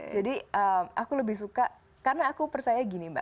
jadi aku lebih suka karena aku percaya gini mbak